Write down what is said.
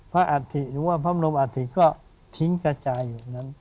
พระอัฐษฐิหรือว่าพระมนมอัฐษฐิก็ทิ้งกระจายอยู่นั้น